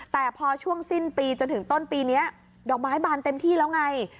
แต่พอช่วงสิ้นปีจนถึงต้นปีนี้ดอกไม้บานเต็มที่แล้วไง